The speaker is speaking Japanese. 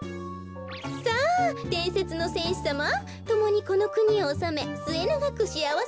さあでんせつのせんしさまともにこのくにをおさめすえながくしあわせになりましょうねん。